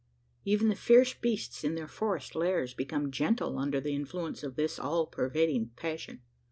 Even the fierce beasts in their forest lairs become gentle under the influence of this all pervading passion!